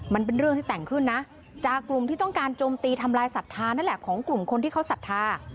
มันเป็นเรื่องที่แต่งขึ้นนะจากกลุ่มที่ต้องการโจมตีทำลายศรัทธานั่นแหละของกลุ่มคนที่เขาศรัทธา